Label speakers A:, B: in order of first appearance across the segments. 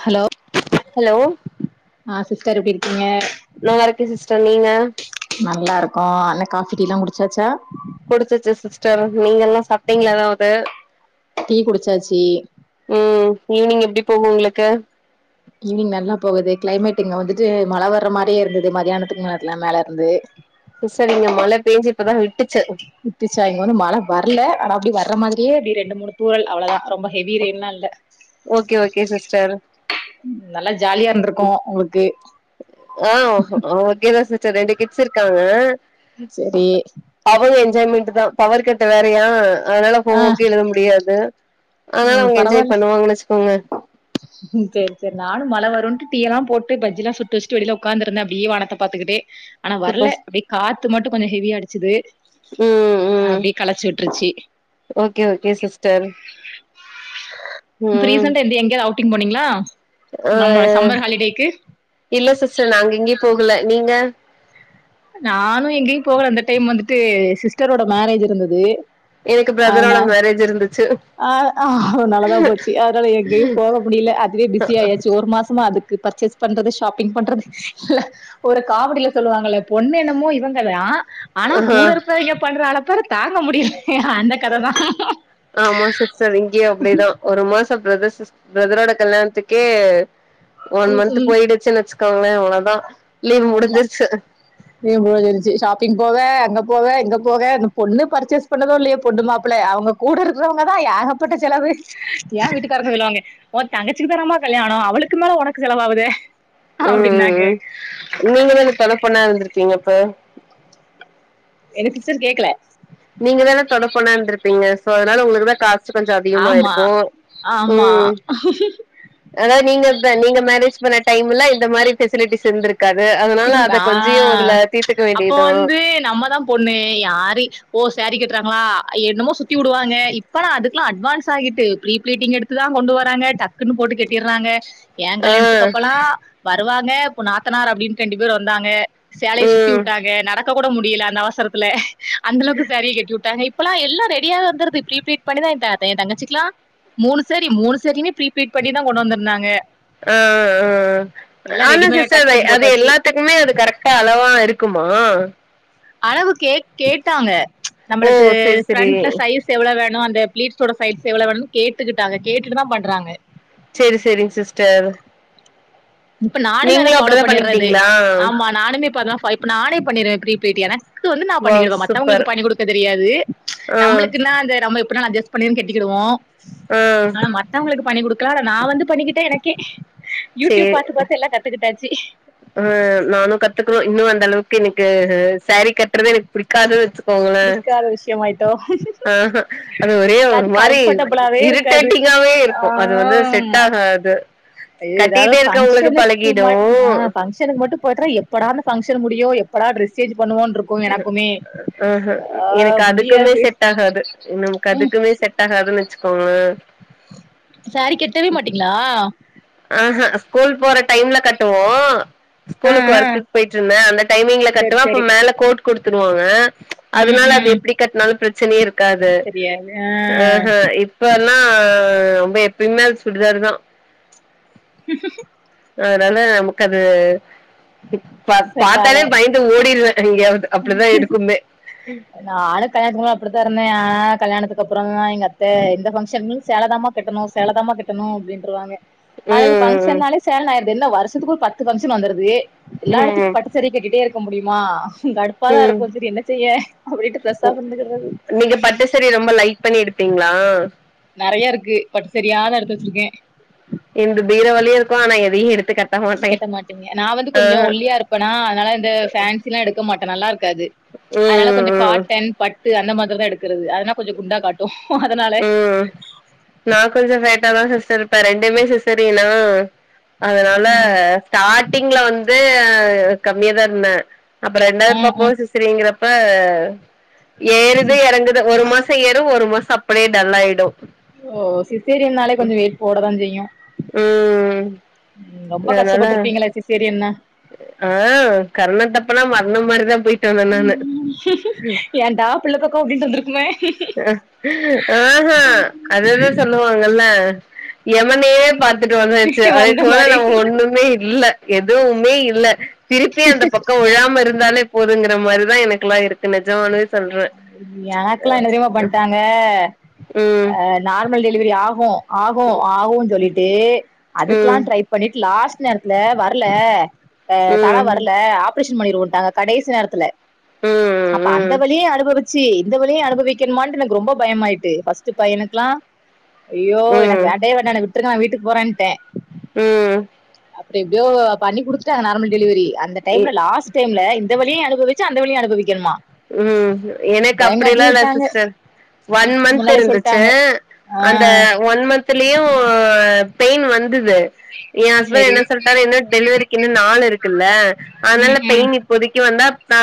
A: Hello
B: hello
A: ஆ sister எப்டி இருக்கீங்க
B: நல்லா இருக்க சிஸ்டர் நீங்க
A: நல்லா இருக்கோ என்ன காபி டீல்லாம் குடிச்சாச்சா
B: குடிச்சச்சு சிஸ்டர் நீங்க எல்லா சாப்டிங்களா எதாவது
A: டீ குடிச்சாச்சு
B: ம் ஈவினிங் எப்டி போகும் உங்களுக்கு
A: ஈவினி் நல்லா போகுது கிளைமேட் இங்க வந்துட்டு மழை வர்ற மாதிரிய இருந்து மதியானத்துக்கு நேரத்துலா மேல இருந்து
B: சிஸ்டர் இங்க மழை பேஞ்சு இப்பதா விட்டுச்சு
A: விட்ச்சா இங்க வந்து மழை வரல ஆனா அப்டி வர்ர மாதிரியே அப்டி ரெண்டு மூணு துரள் அவ்வளதா ரொம்ப ஹவி ரெயின்லா இல்ல
B: ஓகே ஓகே சிஸ்டர்
A: நல்லா ஜாலியா இருந்திருக்கு உங்களுக்கு
B: ஆஹ் ஓகேதா சிஸ்டர் ரெண்டு கிட்ஸ் இருக்காங்க
A: சேரி
B: அவளு என்ஜாய்மெண்ட் தா பவர் கட்டு வேறையா அதனால ஹோம்
A: ஆ
B: ஒர்க் கே எழுத முடியாது அதனால அவங்க என்ஜாய் பண்ணுவாங்கு வச்சுக்கோங்க
A: ம் சரி நானு மழ வரும்ன்னு டீயல்லாம் போட்டு பஜ்ஜி எல்லா சுட்டு வச்சிட்டு வெளியில உக்காந்து இருந்த அப்டியே வானத்த பாத்துக்கிட்டே ஆனா வரலை
B: சூப்பர்
A: அப்டியே காத்து மட்டும் கொஞ்ச ஹெவியா அடிச்சுது
B: ம் ம்
A: அப்டியே கலைச்சு விட்டுருச்சு
B: ஓகே ஓகே சிஸ்டர்
A: இப்ப
B: ம்
A: ரீசண்டா எங்கயாவது அவுட்டிங் போனீங்களா
B: ஆ
A: நம்ம சம்மர் ஹாலிடேக்கு?
B: இல்ல சிஸ்டர் நாங்க எங்கயு போகல நீங்க
A: நானு எங்கயு போகல அந்த டைம் வந்துட்டு சிஸ்டரோட மேரேஜ் இருந்தது
B: எனக்கு பிரதரோட மேரேஜ் இருந்துச்சு
A: ஆ நல்லாதா போச்சு அதனால எங்கயும் போக முடியல அதுவே பிஸி ஆயாச்சு ஒரு மாசமா அதுக்கு பர்ச்சஸ் பண்றது ஷாப்பிங் பண்றது இல்ல ஒரு காமடியில சொல்லுவாங்க பொண்ணு என்னமோ இவங்கதா ஆனா
B: ஆஹ
A: கூட இருக்குறவிங்க பண்ற அலப்பர தாங்க முடியல அந்த கத தா
B: ஆமா சிஸ்டர் இங்கயு அப்டிதா ஒரு மாசம பிரதர்ஸ் பிரதரோட கல்யாணத்துக்கே ஒன்
A: ம்,
B: மந்த்த்
A: ம்.
B: போயிடுச்சுன்னு வச்சுக்கோங்கள அவ்ள தா லீவ் முடிஞ்சிச்சு
A: லீவ் முடிஞ்சிச்சி ஷாப்பிங் போவ அங்க போவ இங்க போவ இந்த பொண்ணு பர்ச்சஸ் பண்ணுதோ இல்லயோ பொண்ணு மாப்பிள்ளை அவங்க கூட இருக்கறவங்க தா ஏகப்பட்ட செலவு ஏய வீட்டுக்கார சொல்லுவாங்க ஓ தங்கச்சிக்கு தானமா கல்யாணம் அவளுக்கு மேல ஒனக்கு செலவாகுதே
B: ம்
A: அப்படின்னாங்க
B: ம் ம் நீங்க தான தொன பொண்ணா இருந்திருப்பிங்க அப்ப
A: என்ன சிஸ்டர் கேக்கல
B: நீங்க தான தொன பொண்னா இருந்துருப்பீங்க சோ அதனால உங்களுக்குதா காச [unintelligible] கொஞ்சோ அதிகமா
A: ஆமா
B: இருக்கு உ
A: ஆமா
B: அதாவ நீங்க வ நீங்க மேரேஜ் பண்ண டைம்ல இந்த மாரி ஃபெசிலிட்டிஸ் இருந்திருக் க்காது அதனால
A: திரும்புறா
B: அத கொஞ்சயு அதுல தீத்துக்க வேண்டியதா
A: பொண்ணே யாரி ஓ சேரீ கட்றாங்களா என்னமோ சுத்தி வுடுவாங்க இப்ப லா அதுக்லா அட்வான்ஸ் ஆகிட்டு ப்ரீ பீளிட்டிங் எடுத் துதா கொண்டு வராங்க டக்குன்னு போட்டு கெட் பிர்ராங்க எ
B: ஆ
A: கல்யாணத்துக்கு அப்பல்லா வருவாங்க நாத்தனார் அப்படின்னு ரெண்டு பேர் வந்தாங்க சேலய சுத்தி
B: ம்
A: விட்டாங்க நடக்க கூட முடியல அந்த அவசரத்துல அந்த அளவுக்கு ஸேரிய கட்டி விட்டாங்க இப்பல்லா எல்லா ரெடியாவே வந்துருது ஃப்ரீ பீளிட் பண்ணிதா [unintelligible] எ தங்கச்சிக்கலா மூணு ஸேரி மூன்னு ஸேரி மே ப்ரீ பிளிட் பண்ணிதா கொண்டு வந்திருந்தாங்க
B: ஆ ஆ
A: எல்லா
B: ஆனா
A: ரெடிமேடா
B: சிஸ்டர்
A: டக்குன்னு
B: அது
A: போட்டாச்சு
B: எல்லாத் த்துக்குமே அது கரெக்டா அளவா இருக்குமா
A: அளவு கே கேட்டாங்க ச்
B: ஓ
A: நம்மளுக்கு
B: செரி செரி
A: ஃப்ரண்ட்ல ஸைஸ் எவ்வள வேணு அந்த ப்ளிட்ஸோட சைஸ் எவ்ள வேணும்னு கேட்டுக்கிட்டாங்க கேட்டுட்டுதா பண்றாங்க
B: சேரி சேரிங்க சிஸ்டர்
A: இப்ப நானுமே அத
B: நீங்களு
A: ஃபாலோ
B: அப்டிதா
A: பண்ணிர்றது
B: பண்ணிக்கிட்டீங்களா
A: ஆமா நானுமே இப்ப அதா ஃபை நானே பண்ணிருவே ஃப்ரீ பிளிட் எனக் க்கு வந்து நா
B: வாவ்
A: பண்ணிகிடுவே
B: சூப்பர்
A: மத்தவங்களுக்கு பண்ணி குடுக்க தெரியாது ச்
B: ஆ
A: நம்மளுக்குன்னா அந்த நம்ம எப்டினாலு அஜஸ் பன்னீன்னு கெட்டிக்கிடுவோ
B: ஆ
A: ஆனா மத்தவங்களுக்கு பண்ணி குடுக்கலா நா வந்து பண்ணிக்கிட்டே எனக்கே யூடியூப்
B: சேரி
A: பாத்து பாத்து எல்லா கத்துக்கிட்டாச்சு
B: ஆ நானு கத்துக்கனு இன்னு அந்த அளவுக்கு எனக்கு ஸேரி கட்டுறத எனக்கு புடிக்காது வச்சக்கோங்களே
A: பிடிக்காத விஷயமாயிட்டோ
B: ஆஹா அது ஒரே ஒரு
A: அது
B: மாரி
A: கம்ஃபர்டபிளாவே இருக்காது
B: இரிட்டேட்டிங்காவே இருக்கு அது வந்து
A: ஆ
B: செட் ஆகாது
A: ஐயோ ஏதாவது
B: கட்டிட்டே இருக்கவங்களுக்கு பழகிடு
A: எனக்கு மட்டு போயிட்ர எப்படா இந்த ஃபங்க்ஷன் முடியு எப்படா டிரெஸ் சேஞ் பண்ணுவோன்ட்ருக்கு எனக்குமே
B: ஆ ஹ
A: ஆ
B: எனக்கு அதுக்குமே
A: முடியாது
B: செட் ஆகாது நமக்கு
A: ம்
B: அதுக்குமே செட் ஆகாதுன்னு வச்சுக்கோங்கள
A: ஸேரி கெட்டவே மாட்டீங்ளா
B: ஆ ஹா ஸ்கூல் போற டைம்ல கட்டுவோ
A: ஆ
B: ஸ்கூலுக்கு
A: ஆ
B: ஒர்க்குக் போயிட்டுருந்த அந்த டைமிங்ல
A: செரி
B: கட்டுவ அப்ப
A: செரி
B: மேல கோட் குடுத்துடுவாங்க
A: ம்
B: அதனால அது
A: ம்
B: எப்டி கட்னாலு பிரச்சனையே இருக்காது
A: தெரியாது ஆ
B: ஆஹா இப் இப்ப எல்லா ரொம்ப எப்பயுமே அத சுடிதாரு தா அதனால நமக்கு அது இப்
A: செட்
B: பாத்தாலே
A: ஆகல
B: பயந்து ஓடிருவே எங்கயாவது அப்டிதா இருக்கும்மே
A: நானு கல்யாணத்துக்கு முன அப்டித்தா இருந்தே ஆ கல்யாணத்துக்கு அப்புறோ ஆ எங்க அத்த எந்த ஃபங்க்ஷன் மே ஸேலதாமா கட்டணு ஸேலதாமா கட்டணு அப்டின்றுவாங்க ஆனா இப்ப
B: ம்
A: ஃபங்ஷன்னாலே சேலனு ஆய்ர்து என்ன வருஷத்துக்கு ஒரு பத்து ஃபங்க்ஷன் வந்துருது எல்லா
B: ம்
A: எடத்துக்கு
B: ம்
A: பட்டு சேரிய கட்டிட்டே இருக்க முடியுமா கடுப்பா தா இருக்கு சரி என்ன செய்ய அப்டின்டு
B: ஒ நீங்க பட்டு சேரிய ரொம்ப லைக் பண்ணி எடுப்பீங்களா
A: நெறையா இருக்கு பட்டு சேரியாதா எடுத்து வச்சிருக்கே
B: எந்து பீரோ வழிய இருக்கு ஆனா எதயு எடுத்துக்கட்
A: கெட்ட மாட்டீங்க நா வந்து கொஞ்ச ஒல்லியா இருப்பேனா அதனால இந்த ஃபேன்சிலா எடுக்க மாட்டே நல்லா இருக்காது அதனால
B: ம்
A: கொஞ்ச
B: ம்
A: காட்டன் பட்டு அந்த மாரிதா எடுக்கறது அதனா கொஞ்ச குண்டா காட்டு அதனால
B: ம் நா கொஞ்ச ஃபேட்டாதா சிஸ்டர் இருப்பே ரெண்டுமே சிஸரினா அதனால
A: ம்
B: ஸ்டாடிங்ல வந்து கம்மியா தா இருந்தே அப்பொறோ ரெண்டாவது
A: ம் ம்
B: பாப்பாவு சிஸ் சேரிங்கறப்ப ஏறுது எறங்குது ஒரு மாச செய்யறு ஒரு மாசோ அப்டியே டல் ஆயிடு
A: ஓ ஓ சிஸேரியனாலே கொஞ்ச வெயிட் போட தா செய்யு
B: ம்
A: ரொம்ப
B: அதனால
A: கஷ்டப்பட்ருப்பீங்களே சிசேரியன் னா
B: ஆ கர்ண தப்பனா மரணம் மாரிதா போயிட்டு வந்தே நானு
A: ஏன்டா பிள்ளப்பேக்கோ
B: ஆ ஆ ஹா அதேதா சொல்ல வ நல்ல எமனயே பாத் துட்டு வந்தாச்சு
A: வந்த
B: அதுக்கு மேல
A: மாரி
B: நம்ம ஒன்னுமே இல்ல எதுவு மே இல்ல திருப்பி அந்த பக்க விலாம இருந்தாலே போதுங்கிற மாரி தா எனக்கெல்லா இருக்கு நெஜமாலுமே
A: எனக்கெல்லா என்ன தெரிமா பண்ட்டாங்க
B: ம்
A: அ நார்மல் டெலிவரி ஆகு ஆகு ஆகு சொல்லிட்டு அதுக்கெல்லா
B: ம்
A: ட்ரை பண்ணிட்டு லாஸ்ட் நேரத்துல வரல அ தல
B: ம்
A: வரல ஆப் ப்ரேஷன் பண்ணிருவோன்டாக கடைசி நேரத்துல
B: ம்
A: அப்ப அந்த
B: ம்
A: வலிய அனு பவிச்சி இந்த வலிய அனுபவிக்கணுமா எனக்கு ரொம்ப பயமாயிட்டு ஃபஸ்ட்டு பயனுக்லா அய்யோ எனக்கு
B: ம்
A: வேண்டவே வேண்டா என விட்டுருங்க நா வீட்டுக்கு போறேன்ட்டே
B: ம்
A: அப்புற எப்டியோ பண்ணி குடுத்துட்டாங்க நார்மல் டெலிவரி அந்த
B: இ
A: டைம்ல லாஸ்ட் டைம்ல இந் இந்த வலிய அனுபவிச்சி அந்த வலிய அனுபவிக்கனுமா
B: ம் எனக்கு அப்டிலா இல்ல
A: விட்டாங்க
B: சிஸ்டர் ஒன் மந்த்
A: முன்னாலே
B: இருந்துச்சு
A: சொல்ட்டாங்க ஆ
B: அந்த ஒன் மந்த் த்துலையு பெயின் வந்துது எ ஹஸ்பண்ட்
A: செரி
B: என்ன சொல்ட்டாரு இன்னு டெலிவரிக்கு இன்னு நாள் இருக்குல்ல அதனால
A: ம் ம்
B: பெயின் இப்போதைக்கி வந்தா ஆ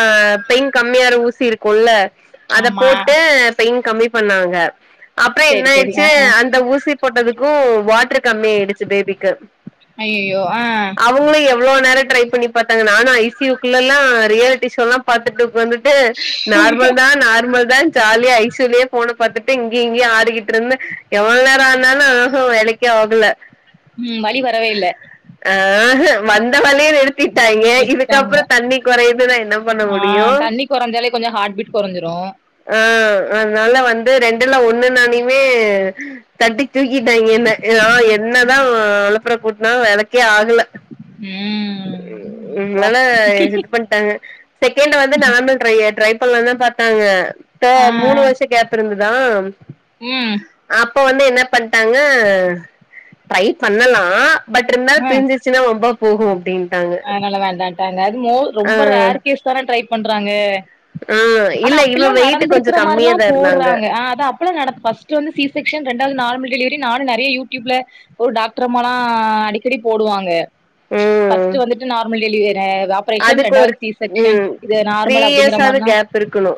B: பெயின் கம்மியா ஆகுற ஊசி இருக்குல்ல அத
A: ஆமா
B: போட்டு பெயின் கம்மி பண்ணாங்க அப்புற என்ன
A: செரி செரி ஆ
B: ஆயிருச்சு
A: ஆ
B: அந்த ஊசி போட்டதுக்கு வாட்ரு கம்மி ஆயிடுச்சு பேபிக்கு
A: ஐயையோ ஆ
B: அவங்களு எவ்ளோ நேர ட்ரை பண்ணி பாத்தாங்க நானு ஐசியூக்குல்லலா ரியாலிட்டி ஷோல்லா பாத்துட்டு வந்து ட்டு
A: ஐயோ
B: நார்மல் தா நார்மல் தா ஜாலியா ஐசியுலேயே ஃபோன பாத்துட்டு இங்கேயு இங்கேயு ஆடிக்ட்டு இருந்தே எவ்ளோ நேர ஆனாலு ம்ஹூ வேலைக் கே ஆகுல
A: ம் வலி வரவே இல்ல
B: ஆஹ வந்த வலி எடு த்திட்டாங்க
A: விட்டுட்டாங்க
B: இதுக்கப்புற தண்ணி கொறையதுனா என்ன பண்ண முடியு
A: கொறைஞ்சாலே கொஞ்ச ஹார்ட் பீட் கொறைஞ்சுரு
B: ஆ அதுனால வந்து ரெண்டுல ஒன்னு நானயுமே தட்டி தூக்கிட்டாங்க என்ன ஓ என்ன தா அலப்பற கூட்னாலு வேலைக்கே ஆகல
A: ம் அப்பா
B: னால இது பண் த்தாங்க செகண்ட்டு வந்து நார்ம்பல் ட்ரையே ட்ரை பண்லா தா பாத்தாங்க ப்ப
A: ஆ
B: மூணு
A: ஆ
B: வருஷ கேப்பு இருந்துதா
A: ம்
B: அப்போ வந்து என்ன பண்ட்டாங்க ட்ரை பண்ணலா பட்ருந்தாலு பிரிஞ்சிச்சுன்னா வம்பா போகு அப்டின்
A: அது நால வேண்டான்ட்டாங்க அது மோ
B: ஆ
A: ரொம்ப ரேர் கேஸ் தானே ட்ரை பண்றாங்க
B: ஆ
A: ஆனா
B: இல்ல இவ
A: அப்பில்லா
B: வெயிட் கொஞ்ச
A: நடந்திருக்கிற மாரிலா
B: கம்மியாதா இருந்தாங்க
A: போடுறாங்க ஆ அதா இப்ப தா நடப் ஃபஸ்ட் வந்து சிசெக்ஷன் ரெண்டாவது நார்மல் டெலிவரி நானு நறைய யூடியூப்ல ஒரு டாக்டர் அம்மாலா அடிக்கடி போடுவாங்க
B: ம்
A: ஃபர்ஸ்ட்டு வந்துட்டு நார்மல் டெலி ற ஆப்பரேஷன்
B: அதுக்கு
A: ரெண்டாவது சீசெக்ஷன் இது நார்மல் அப்படிங்கற
B: வது கேப் இருக்கணு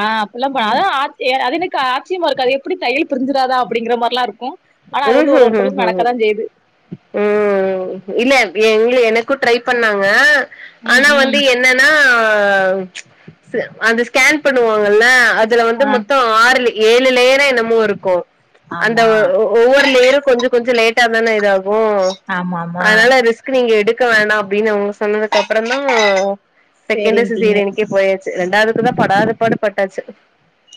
A: ஆ அப்புல்லா பா அது ஆர்சி அது எனக்கு ஆச்சியமா இருக்கு அது எப்படி தையல் பிரஞ்சிரதா அப்படிங்கற மார்லா இருக்கு அனா அது
B: ம்
A: வந்து ஒரு
B: ஹும் ஹும்
A: ஒருத்தருக்கு
B: ஹும்
A: நடக்கதா செய்து
B: ம் இல்ல எங்ளியூ எனக்கு ட்ரை பண்ணாங்க
A: ம்
B: ஆனா
A: ம்
B: வந்து என் னனா சு அது ஸ்கேன் பண்ணுவாங்கள்ள அதுல வந்து
A: ஆ
B: மொத்தோ ஆறுல ஏழு லேயரோ என்னமோ இருக்கு அந்த
A: ஆமா
B: ஒ ஒ ஒவ்வொரு லேயரூ கொஞ்சோ கொஞ்சோ லேட்டா தான இதாகு
A: ஆமா ஆமா
B: அதனால ரிஸ்க் கு நீங்க எடுக்க வேண்டா அப்டின் அவுங்க சொன்னதுக்கு அப்பறந்தா செகண்ட்டு
A: சேரின்ட்டீங்க
B: சிசேரியன்னுக்கே போயாச்சு ரெண்டாவதுக்கு தா படாத பாடு பட்டாச்சு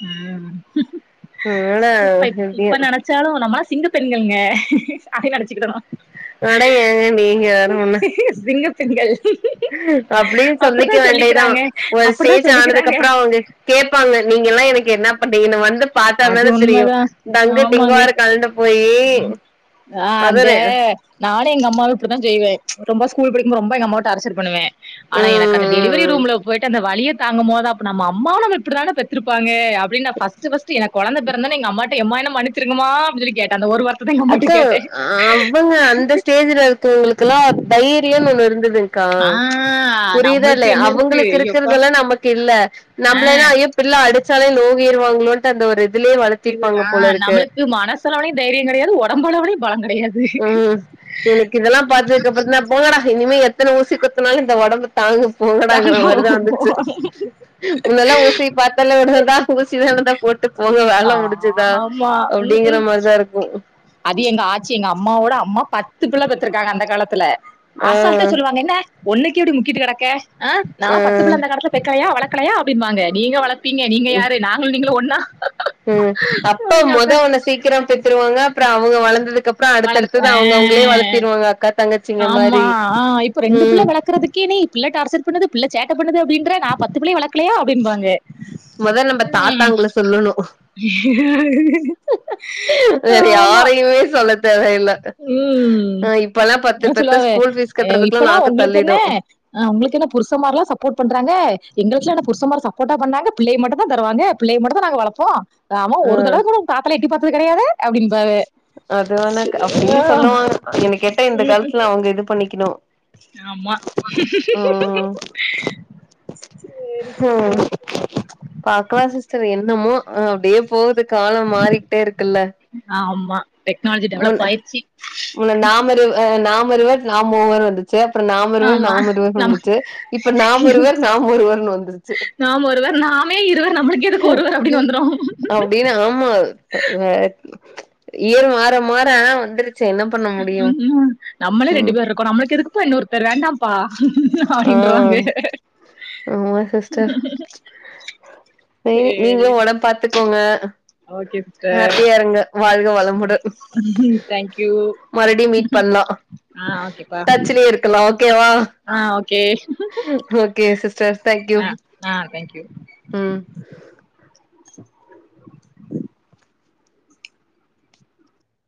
A: ம்
B: அதனால
A: சோ அப்பா இப்ப
B: எப்டியு
A: இப்ப நென ச்சாலு நம்மளா சிங்க பெண்களுங்க [unintelligible] நடிச்சிக்கிடணு
B: அட ஏங்க நீங்க வேற ஒன்னு
A: சிங்க பெண்கள்
B: அப்டீன்
A: அப்படித்தா
B: சொல்லிக்க வேண்டிதா
A: சொல்லிக்கிறாங்க
B: ஒரு
A: அப்படித்தா
B: ஸ்டேஜ்
A: சொல்லிக்கிறாங்க
B: ஆனதுக்கப்பறோ அவங்க கேப்பாங்க நீங்கெல்லா எனக்கு என்ன பண்ணீங்கன்னு வந்து பாத்தா
A: அது
B: தான தெரியு
A: உண்மதா
B: டங்கு
A: ஆமாங்க
B: டிங்குவாரு கலுண்டு போய்
A: ஆ அந்த
B: அதறு
A: நானு எங்க அம்மாளு இப்படிதா செய்வே ரொம்ப ஸ்கூல் படிக்கும்போ ரொம்ப எங்க அம்மாவ டார்ச்சர் பண்ணுவே அனா
B: ம்
A: எனக்கு அந்த
B: ம்
A: டெலிவரி
B: ம்
A: ரூம்ல போயிட்டு அந்த வலிய தாங்கும் போது அப்ப நம்ம அம்மாவு நம்ம இப்படிதான பெத்துருப்பாங்கா அப்டின் நா ஃபஸ்டு ஃபஸ்ட் எனக் கொழந்த பெறந்துண்ணெ எங்க அம்மாட்ட எம்மா என்ன மன் னிச்சிருங்கமா அப்படின் சொல்லி கேட்ட அந்த ஒரு வரு
B: அக்கா அவங்க அந்த ஸ்டேஜ்ல இருக்கவங்களுக்குல்லாதைரியொன் ஒண்ணு இருந்துதுங் க்கா
A: ஆ
B: புரிதா
A: நம்மளுக்கு
B: இல்லயா
A: என்ன இருக்கு
B: அவுங்களுக்கு
A: ஐயோப்பா
B: இருக்கறதல்லா நமக்கு இல்ல
A: ஆ
B: நம்லே தா ஐயோ பிள்ள அடிச்சாலு நோகிருவாங்களோன்ட்டு அந்த ஒரு இதுலே வளத்
A: இவுரா நம்மளுக்கு மனசளவுலையு தைரியோ கெடையாது ஒடம்பளவுலயூ பலோ கெடையாது
B: ம் எனக்கு இதல்லா பாத்ததுக்கப்பறோ தா போங்கடா இனிமே எத்தன ஊசி குத்துனாலு இந்த ஒடம்பு தாங்கு போங்கடாங்கற மாரிதா
A: தாங்குவோ
B: வந்துச்சு முன்னல்லா ஊசிய பாத்தாலே [unintelligible] ஊசி வேணுதா போட்டு போக வேல முடிஞ்சிதா
A: ஆமா ம்
B: அப்டிங்கற
A: ம்
B: மாரிதா இருக்கு
A: அது எங்க ஆச்சி எங்க அம்மாவோட அம்மா பத்து பிள்ள பெத்துருக்காங்க அந்த காலத்துல
B: ஆ
A: அசால்ட்டா சொல்லுவா அங்க என்ன ஒன்னுக்கே இப்டி முக்கிட்டு கெடக்க ஆ நா பத்து பிள்ள அந்த காலத்துல பெக்கலயா வளக்கலயா அப்டின்னுவாங்க நீங்க வளப்பீங்க நீங்க யாரு நாங்களு நீங்களு ஒன்னா
B: ம் அப்ப மோத சீக்கிரோ பெத்துருவாங்க அப்பறோ அவுங்க வளந்ததுக்கப்பறோ
A: வளர்ந்து
B: அடுத்தடுத்தது அவுங்க அவுங்களே வளத்திருவாங்க அக்கா தங்கச்சி
A: ஆமா ஆ இப்ப ரெண்டு புள்ள வளக்கறதுக்கே நீ இப்டிலா டார்ச்சர் பண்ணுது பிள்ள சேட்ட பண்ணுது அப்டின்ற நா பத்து பிள்ளய வளக்கலயா அப்டிம்பாங்க
B: மொத நம்ப தாத்தாங்கள சொல்லணு வேற
A: ஆமா
B: யாரையுமே சொல்ல தேவையில்ல.
A: ம்
B: அ இப்பல்லாம்
A: அ
B: பெத்த
A: சொல்லுவாவே
B: ஸ்கூல் ஃபீஸ்
A: அ
B: கட்டுறதுக்குல்லாம்
A: இப்பல்லா
B: நாக்கு
A: ஒங்களுக்கென்ன
B: தள்ளிடும்.
A: ஆ உங்களுக்கு என்ன புருச மார்லா சப்போர்ட் பண்றாங்க எங்களுக்குலா என்ன புருஷமார் சப்போட்டா பண்ணாங்க பிள்ளைய மட்டுதா தருவாங்க பிள்ளைய மட்டுதா நாங்க வளப்போ ஆம்ம
B: அ
A: ஒரு தடவக்கூட உங்க தாத்தாலா எட்டி பாத்தது கெடையாது அப்டிம்பாவ
B: அதுவேனா க அப்டீ சொல்லுவாங்க என்ன கேட்டா இந்த காலத்துல அவுங்க இது பண்ணிக்கணு
A: ஆமா சேரி
B: ஓ
A: சிஸ்டர்
B: பாக்கலா சிஸ்டர் என்னமோ அ அப்டியே போவுது காலம் மாறிக்ட்டே இருக்குல்ல
A: ஆம்மா டெக்னாலஜி
B: முன்
A: டெவலப் ஆயிரிச்சி
B: முன்ன நாமிருவ நாமிருவர் நாம் மூவர் வர்து ச்செ அப்புறோ நாம இருவர்
A: ஆமா
B: நாம் ஒருவர்
A: நம்ம
B: வந்துச்சு இப்ப நாம் இருவர் நாம் ஒருவர் வந்துருச் ச்சு
A: நாம ஒருவர் நாமே இருவர் நம்மளுக்கு எதுக்கு ஒருவர் அப்டின்னு வந்துரு
B: அப்டின் ஆமாவ் வெ அ வேற இவரூ மாற மாற அ வந்துருச்சு என்னப்
A: [unintelligible] நம்மளே ரெண்டு பேர் இருக்கோ நம்மளுக்கு எதுக்குப்பா இன்னொர் த்தர் வேணாப்பா
B: ஆ
A: அப்டின்றாங்க
B: ஆமா சிஸ்டர் சேரி நீங்களூ ஒடம்ப் பாத்துக்கோங்க
A: ஓகே சிஸ்டர்
B: ஹாப்பியா இருங்க வாழ்க வளமுடன்
A: ம் தேங்க்யூ
B: மறுடியூ மீட் பண்லா
A: ஆ
B: டச்லே இருக்கலா ஓகேவா
A: அ ஓகே
B: ஓகே சிஸ்டர் தே்ங்க்யூ
A: ஆ ஆ தேங்க்யூ
B: ம்